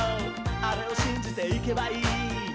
あれをしんじていけばいい」